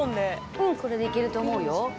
うんこれで行けると思うよ。